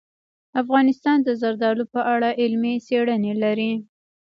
افغانستان د زردالو په اړه علمي څېړنې لري.